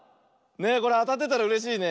これあたってたらうれしいね。